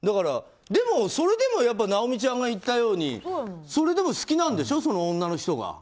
でも、それでも尚美ちゃんが言ったようにそれでも好きなんでしょうその女の人が。